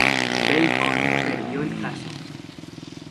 Bacon perdió el caso.